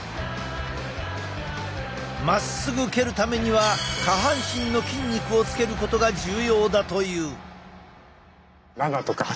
まっすぐ蹴るためには下半身の筋肉をつけることが重要だという。